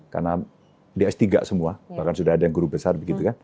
karena dia s tiga semua bahkan sudah ada yang guru besar